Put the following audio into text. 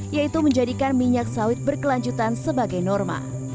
yaitu menjadikan minyak sawit berkelanjutan sebagai norma